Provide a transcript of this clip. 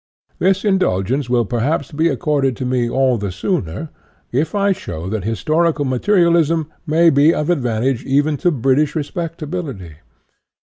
This indulgence will perhaps be accorded to me all the sooner if I show that historical ma terialism may be of advantage even to British respectability.